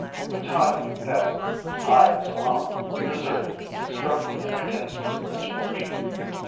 But time failed me; I was alone, deserted, struggling against misfortune.